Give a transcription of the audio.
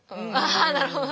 あなるほど。